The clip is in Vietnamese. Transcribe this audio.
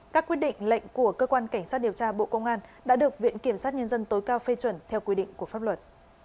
các quyết định lệnh của cơ quan cảnh sát điều tra bộ công an đã được viện kiểm sát nhân dân tối cao phê chuẩn theo quy định của pháp luật